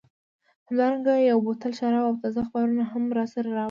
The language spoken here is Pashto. همدارنګه یو بوتل شراب او تازه اخبارونه هم راسره راوړه.